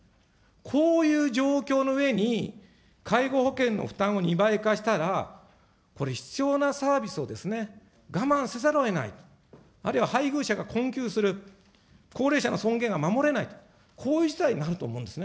こういう状況のうえに、介護保険の負担を２倍化したら、これ、必要なサービスを我慢せざるをえない、あるいは配偶者が困窮する、高齢者の尊厳が守れないと、こういう事態になると思うんですね。